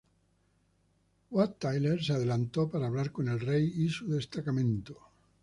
Wat Tyler se adelantó para hablar con el rey y su destacamento.